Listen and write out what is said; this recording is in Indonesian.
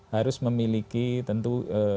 harus memiliki tentu